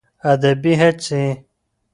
ادبي هڅې